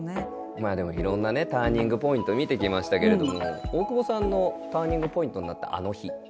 まあいろんなねターニングポイント見てきましたけれども大久保さんのターニングポイントになった「あの日」って？